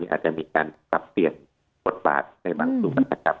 อาจจะมีการปรับเปลี่ยนบทบาทในบางส่วนนะครับ